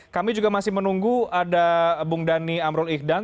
kami juga masih menunggu ada bung dhani amrul ihdan